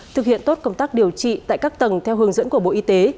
thực hiện tốt công tác điều trị tại các tầng theo hướng dẫn của bộ y tế